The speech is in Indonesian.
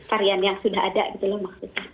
varian yang sudah ada gitu loh maksudnya